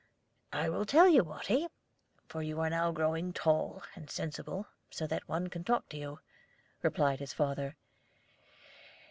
"I will tell you, Watty, for you are now growing tall and sensible, so that one can talk to you," replied his father.